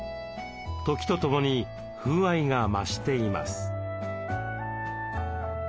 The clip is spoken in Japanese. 時とともに風合いが増しています。